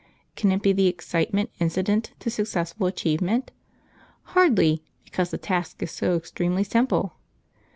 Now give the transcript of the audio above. Can it be the excitement incident to successful achievement? Hardly, because the task is so extremely simple.